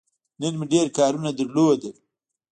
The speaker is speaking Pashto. نن مې ډېر کارونه لرل.